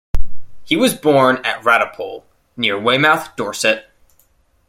He was born at Radipole, near Weymouth, Dorset.